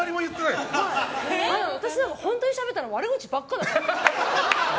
私なんか本当にしゃべったら悪口ばっかだから。